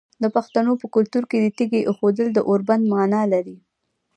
د پښتنو په کلتور کې د تیږې ایښودل د اوربند معنی لري.